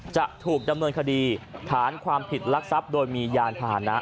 จะถูกดำเนินคดีฐานความผิดลักทรัพย์โดยมียานพาหนะ